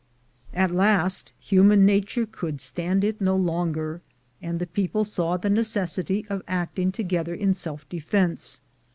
At last human nature could stand it no longer, and the people saw the necessity of acting together in self defence.